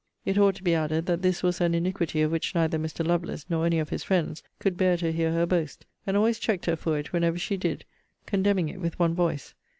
It ought to be added, that this was an iniquity of which neither Mr. Lovelace, nor any of his friends, could bear to hear her boast; and always checked her for it whenever she did; condemning it with one voice.